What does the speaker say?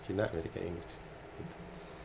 china amerika inggris gitu